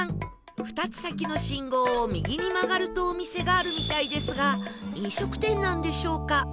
２つ先の信号を右に曲がるとお店があるみたいですが飲食店なんでしょうか？